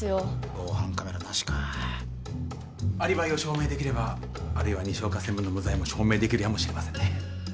防犯カメラなしかアリバイを証明できれば西岡専務の無罪も証明できるやもしれませんね